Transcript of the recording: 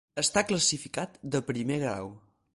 Està classificat de Primer Grau.